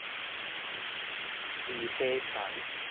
一畦田